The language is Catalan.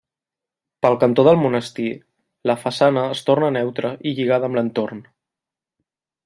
Pel cantó del Monestir, la façana es torna neutra i lligada amb l'entorn.